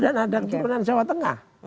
dan ada keturunan jawa tengah